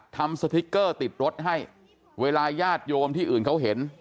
สติ๊กเกอร์ติดรถให้เวลาญาติโยมที่อื่นเขาเห็น